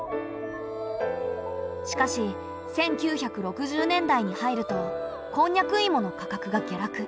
しかし１９６０年代に入るとコンニャクイモの価格が下落。